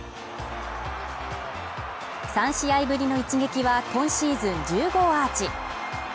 ３試合ぶりの一撃は今シーズン１０号アーチ。